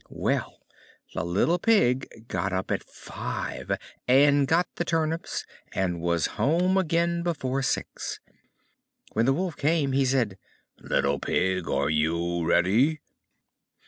Well, the little Pig got up at five, and got the turnips and was home again before six. When the Wolf came he said, "Little Pig, are you ready?"